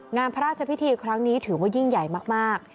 งานพระราชพิธีครั้งนี้ถือว่ายิ่งใหญ่มาก